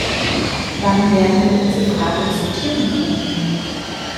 Wann werden wir über diese Frage diskutieren können?